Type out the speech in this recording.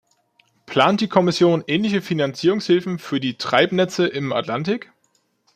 Plant die Kommission ähnliche Finanzierungshilfen für die Treibnetze im Atlantik?